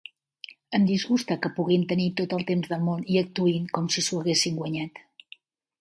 Em disgusta que puguin tenir tot el temps del món i actuïn com si s'ho haguessin guanyat.